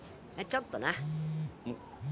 ちょっとな。